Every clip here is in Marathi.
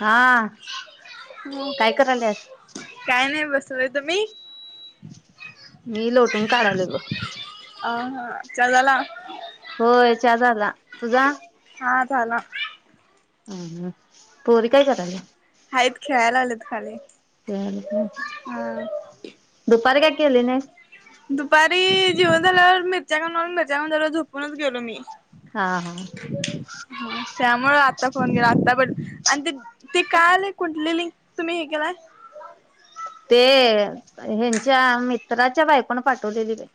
हा काय कराल्यास तुमी तुम्ही मी लोटून काढालोय बघ. अ ह चला ना? होय चहा झाला तुझा? हा झाला हूं हूं पोरी काय कराल्या हायत खेळायलालेत खाली तयार होत्या हा दुपारी काय केली नाईस मी जीवन झाल्यावर मिरच्या खाणार मिरच्या आण मिरच्या खाल्ल्यावर झोपूनच गेलो मी हा हा त्यामुळे आत्ता फोन गेला आता ब आणि ते ते काल एक कुंठली लिंक तुम्ही हे केलाय ते ह्यांच्या मित्राच्या बायकोण पाठवलेली बाई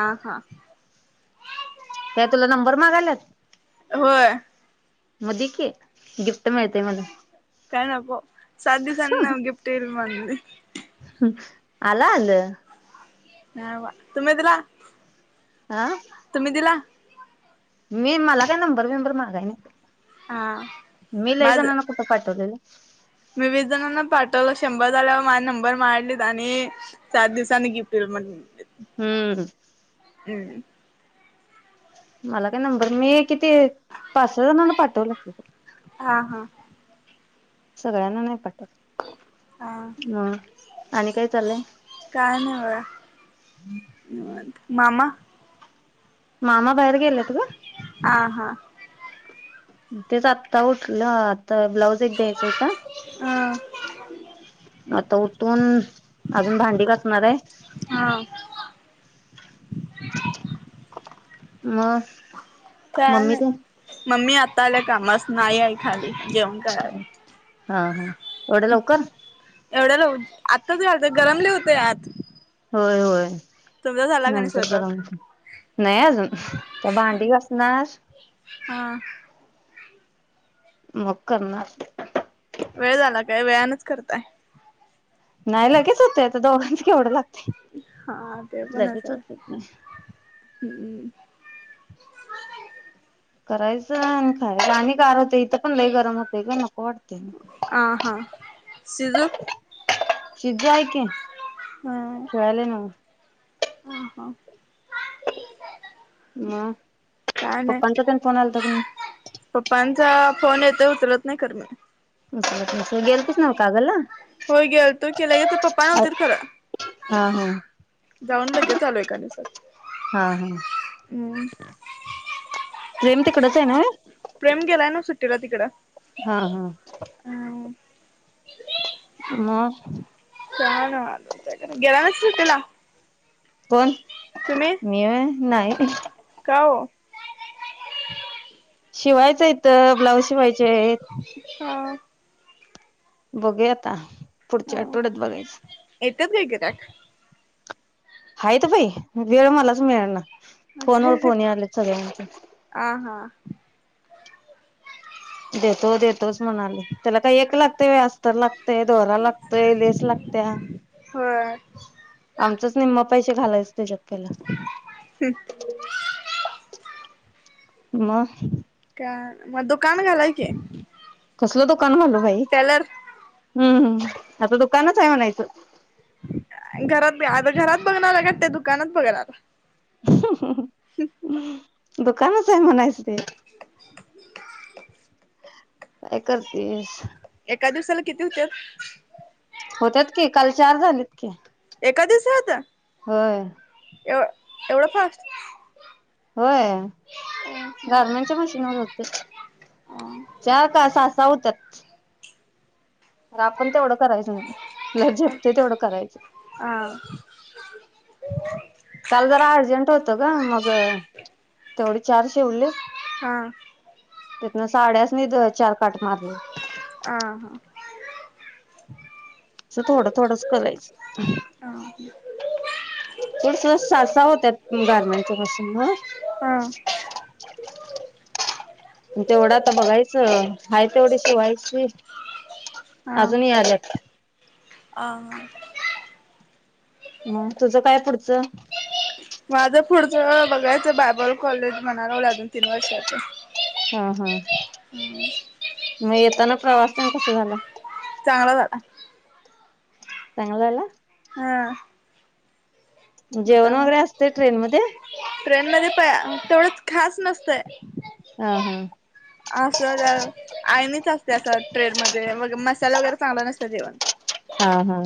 आ हा त्या तुला नंबर मागायल्यात होय म दि की गिफ्ट मिळतयं म्हण काय नको सात दिवसानं गिफ्ट येईल माझं अम्म [unintelligible] आल आलं न्हाय आबा तुम्ही दिला आ तुम्ही दिला मी मला काय नंबर बिंबर मागाय नाही हा मी लई माझ जणांना कुठं पाठवलेलं. विविध जणांना पाठ शंभर झाल्यावर माझ नंबर मागितलीत आणि चार दिवसांनी गिफ्ट देतो म्हटलीत हम्म हम् मला काय नंबर मी ते पाच सहा जणांना पाठवल्यात काय हा हा सगळ्यांना नाही पाठवत हा आणि काय चाललंय काय नाही बघा निवांत मामा मामा बाहेर गेल्यात ग हा हा तेच आता उठल्यात ब्लाउज एक द्यायचा होता अ आता उ पण अजून भांडी घासणारय हा [unintelligible] म काय मम्मी नाही तेन मम्मी आता आल्या कामासन नाई आई खाली जेवण करायल्या हा हा एवढ्या लवकर एवढ्या लव आत्ताच घलतोय गरम लई हुतंय आत होय होय तुमचा झाला का नाही नंतर स्वयंपाक गरम हुतंय नाही अजून आता भांडी घासणार हा मग करणार वेळ झाला काय वेळानच करताय नाई लगेच हुतय आता दोघांच केवढं ला हा ते पण अस होते हम्म करायचं आणि खायचं आणि गार होते इथं पण लई गरम होते ग नको वाटतय आ हा सिजू शिज्जू आहे की हा खेळालय नव्ह ह हा म काय नाही पप्पांचा फोन येतोय उचलत नाही करमत [inaudible] गेलतीस नव्ह कागलला? होय गेलतो की लई पप्पा नव्हतीत खर हा हा जाऊन लगेच आलो एका दिवसा हा हा प्रेम तिकडच आहे नव्हे प्रेम गेलाय ना सुट्टीला तिकडं हा हा हम्म मग हा ना गेला नाहीस सुट्टी ला कोण मी होय नाही का ओ शिवायचं इथं ब्लाऊज शिवायचे आहेत हा बघूया ता हा, येत्यात काय गिऱ्हायाक? हायत बई वेळ मलाच मिळना फोन असं हाय वर व्हय फोन यायलेत सगळ्यांचे आ हा देतो देतोच म्हणाले त्याला काय एक लागतय होय अस्तर लाग दोरा लागतय लेस लागत्या होय आमचच निम्म पैशे घालायच त्याच्यात पहिला मग म दुक कसलं दुकान घालू बाई टेलर हं हं आता दुकानच हाय म्हणायचं घरात बी आता घरात बघणार हाय काय त्या दुकानात बघणार [inaudible] दुकानच आहे म्हणायचं ते [inaudible] काय करतेस? एका दिवसाला किती होत्यात? होत्यात की काल चार झालेत की, एका दिवसात होय एवढा फास्ट? होय गारमेंटच्या मशीनवर होते हा चार का सहा, सहा होत्यात [inaudible] अर आपण तेवढं करायच नाही आपल्याला झेपतय तेवढं हा करायचं काल जरा अर्जंट होत ग मग तेवढी चार शिवले हा हा तिथनं साड्या नाही त्याला चार काट मारले आ, हा असं थोडं थोडंच करायचं हा [unintelligible] सहा सहा होत्यात गारमेंटच्या मशीनवर? हा तेवढ आता बघायचं हाय तेवढ शिवायची अजून याल्यात आ, हा म, तुझं काय पुढचं माझं पुढचं बघायचं बायबल कॉलेज म्हणाय लागलोय अजून तीन वर्षाच हा, हा मग येताना प्रवास तेन कसा झाला? चांगला झाला चांगला झाला? हां जेवण वगैरे असतंय ट्रेनमध्ये? ट्रेनमध्ये प तेवढंच खास नसतंय हा हा आसं [unintelligible] आळणीच असतंय असं ट्रेनमध्ये मग मसाला वगैरे चांगलं नसतं जेवण हा, हा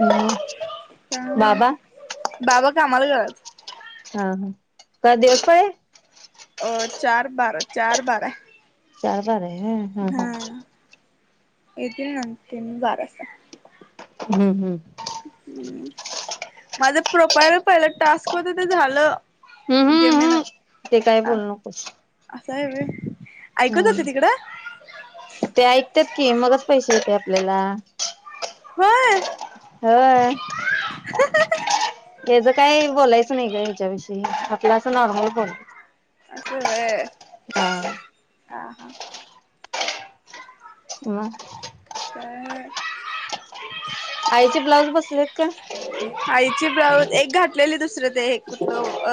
हम्म अं बाबा कामाला गेल्यात हा, हा का दिवस पाळी आहे? अं चार-बारा, चार-बारा चार हा रे हं हं येतील ना त्यांनी बारा वासता हम्म हम्म माझं प्रोफाईल पहिलं टास्क होतं ते झालं जेमेन ते काय बोलू नकोस काय रे हम् ते ऐकत्यात की मगच पैसे येतात आपल्याला होय होय तेच काय बोलायचं नाही ग हयाच्या विषयी आपलं असं नॉर्मल बोलायचं असं होय हा हा हा मग आईचे ब्लाऊज बसलेत का [unintelligible] आईची ब्लाउज एक घातलेली दुसरं ते हे कुठलं अ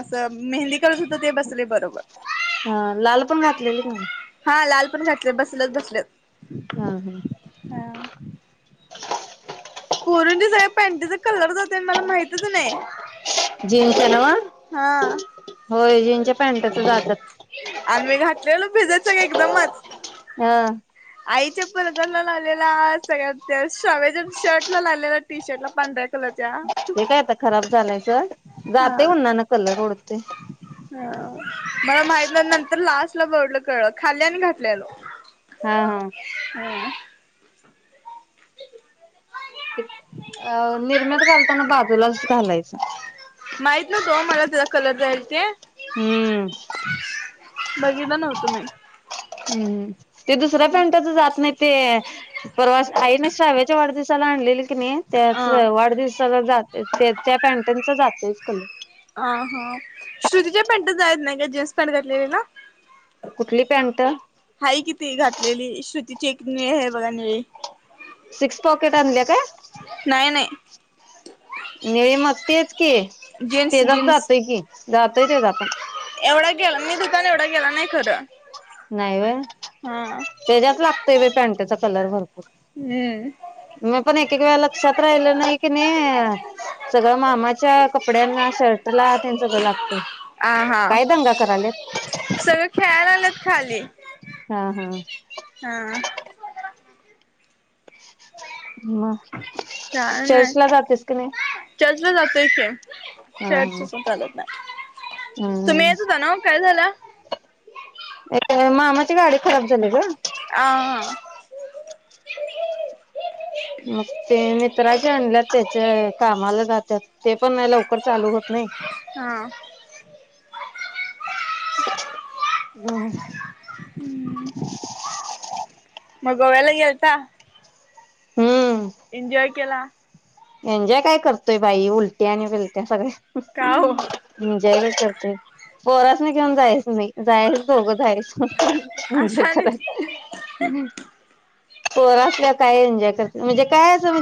असं मेहंदी कलर होत ते बसलय बरोबर हा लाल पण घातलेलीत नव हा लाल पण घातलय बसलत बसलत हा हा ऍ पोरींच्या सगळ्या पॅटीचा कलर जातोय आणि मला माहीतीच नाही जीनच्या नव हा होय जीनच्या पॅन्टच जातात लई लोकं भिजत सगळे एकदमच हा आईच्या परकरला लावलेला सगळ्या त्यो शव्याच्या शर्टला लावलेला टी शर्टला पांढऱ्या कलरचा ते काय आता खराब झालय सोड जातय उनान कलर उडत हा मला माहित नाही नंतर तर लास्ट ला बडलतो, खाली आणि घातल्यालं हा हा इथ अ निरम्यात घालताना बाजूलाच घालायचं माहित नव्हतं हो मला त्याचा कलर जाईल ते हम्म बघितलं नव्हतो मी हम्म ते दुसऱ्या पॅन्टच जात नाहीत ते परवास आहे ना शाळेत च्या वाढदिवसाला आणलेलित किणी अ त्याचं वाढदिवसाला जा ते त्या पॅन्टनच जातयच कलर ह हा श्रुतीच्या पॅन्टत जायाला येत नाही का जेस कण घातलेलेला कुठली पॅन्ट हाय कि ती घातलेली श्रुतीची एक निळी आहे बघा निळी सिक्स पॉकेट आणल्या काय नाही नाही निळे मग तेच की जीन्स तेचाच जीन्स जातोय की जातोय तेचा पण एवढा गेला मी दुकान एवढा गेला नाही खरं नाही व्हय हा तेच्याच लागतोय पॅन्टचा कलर भरपूर हम्म मी पण एक ते काय लक्षात राहिल नाही किनी सगळं मामाच्या कपड्यांना शर्टला तेन सगळं लागतय आ हा काय दंगा कराल्यात सगळं खेळायला आलेत खाली हा हा हा मग काय नाही चर्चला जातेस की नाही चर्च ला जातोय की हा चर्च हा. चुकवून चालत नाही तूम्ही हम्म येत होता नव्हं काय झालं येथे मामाची गाडी खराब झाली गं आहा! मित्राची आणल्यात तेच्या कामाला जातात ते पण लवकर चालू होत नाही हा हम्म मग गोव्याला गेलता हम्म एन्जॉय केला एन्जॉय काय करतोय बाई उलट्या आणि बिलत्या सगळ्या का हो हम जय चालतय ते पोरासनी घेऊन जायचे नाही जायचे तर दोघं जायचं हे असा आणि खरं आहे, पोरं असल्यावर काय एन्जॉय करती म्हणजे काय असं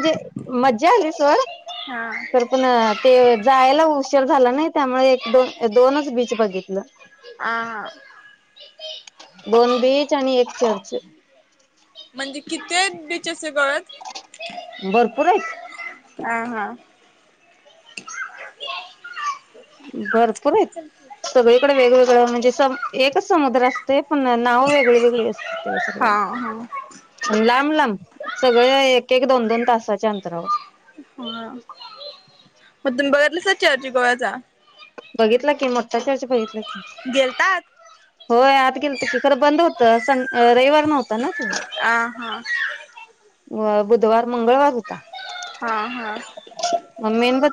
मज्जा झाली सोड हा तर पण ते जायला उशर झाला नाही त्यामुळे एक दोन दोनच बीच बघितलं आ हा [inaudible] दोन बीच आणि एक चर्च म्हणजे किती आहेत बीच असे गोव्यात भरपूर आहेत आहा! बरं खरय सगळीकडे वेगवेगळे म्हणजे सम एकच समुद्र असते पण नावं वेगळी वेगळी अस तेला हा हा हा सगळ्याला.... लांब सगळ एक एक दोन दोन तासाच्या अंतरावर. हा मग तुम्ही बघितलासी अर्जी गोव्याचा? बघितला की मोठा चार्ज बघितलाय गेलतात होय आत गेलं की खरं बंद होतं सन रविवार नव्हता ना. आ हा व बुधवार, मंगळवार होता. हा हा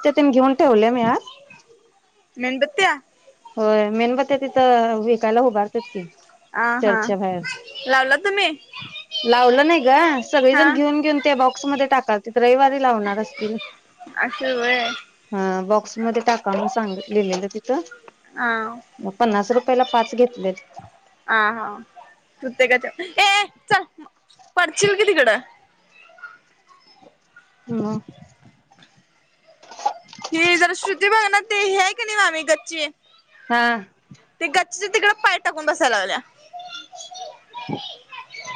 त्यातून घेऊन.. ठेवल्या मी आत मेणबत्ती आ होय मेणबते तिथं विकायला उभारतात की आ हा चर्चच्या बाहेर लावला तुम्ही गा सगळे हा जण घेऊन घेऊन त्या.... स म टाकातील रविवारी लावणार असतील [inaudible] अस व्हय. आ बॉक्समध्ये टाका म्हणू सांगितल लिहिलेलं आ तिथं पन्नास रूप... पहिला पहिला पाच घेतलेत आ हा प्रत्येकाच्या ए ए चल पडचिलकि तिकडं. म? हे जरा श्रुती बघा ना ते हे आहे की नाही मामी गच्ची? हा ते गच्छ तिकड पाय टाकून बसायला लागल्या,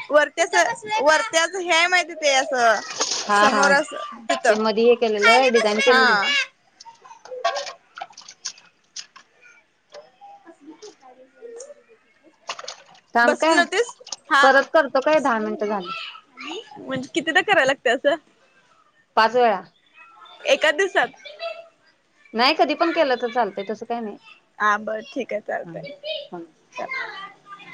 वरत्याच वरत्याच ह्या माहिती ते असं हा हा समोरच तिथ ते मधी हे केलेलं डिझाईन हा केलेली [inaudible] [inaudible] थांब बसली काय होतीस हा परत करतो काय दहा बसलेलो मिनिटं झालं आम्ही म्हण कितीदा करायला लागतय अस? त्या एका दिवसात नाही कधी पण केलं तर चालतय तसं काही नाही. हा बर ठीक आहे हा चालतय हा. [unintelligible]